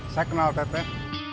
saya kenal teteh